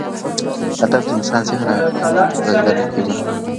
ادب د انسان ذهن غنا کوي.